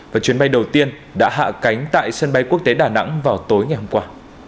và chuyến bay đầu tiên đã hạ cánh tại sân bay quốc tế đà nẵng vào tối ngày hôm qua